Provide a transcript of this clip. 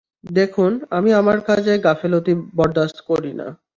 দেখুন, আমি আমার কাজে গাফেলতি বরদাশত করি না!